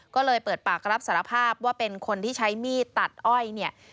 ก็เลยเปิดปากรับสารภาพว่าเป็นคนที่ใช้มีดตัดอ้อยเนี่ย